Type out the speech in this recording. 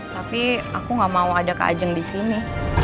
tapi aku gak mau ada kak ajeng di sini